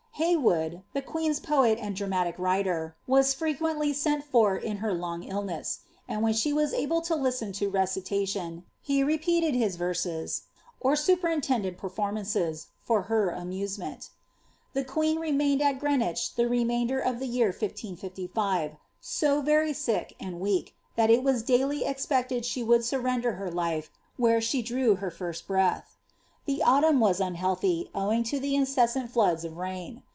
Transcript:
Hey wood, the queen's poet and dramatic writer, was frequently sent for in her long illness ; and when she was able to listen to recitation, he repeated his verses, or superintended performanoeSf for her amusement The queen remained at Greenwich the remainder of the year 1555, so very sick and weak, that it was daily expected she would surrender her life where she drew her first breath. The autumn was unhealthy, owing to the incessant floods of rain.